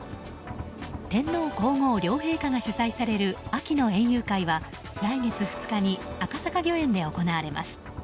天皇・皇后両陛下が主催される秋の園遊会は来月２日に赤坂御苑で行われます。